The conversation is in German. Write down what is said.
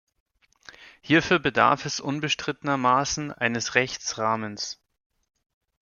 Hierfür bedarf es unbestrittenermaßen eines Rechtsrahmens.